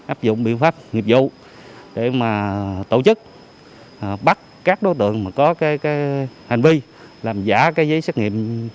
áp dụng biện pháp nghiệp vụ để tổ chức bắt các đối tượng có hành vi làm giả giấy xét nghiệm